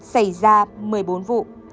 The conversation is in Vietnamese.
xảy ra một mươi bốn vụ